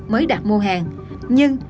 mới đặt mua hàng nhưng